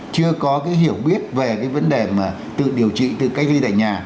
chưa có cái hiểu biết về cái vấn đề mà tự điều trị tự cách ly tại nhà